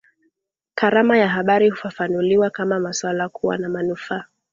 Karama ya habari hufafanuliwa kama maswala kuwa na manufaa